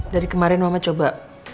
dari kemarin mama coba